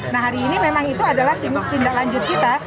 nah hari ini memang itu adalah tindak lanjut kita